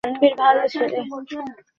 এবং তুমি যেহেতু সারাদিন বাসায় একা থাকো।